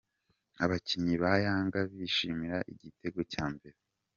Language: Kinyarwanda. Abakinnyi ba Yanga bishimira igitego cya mbere.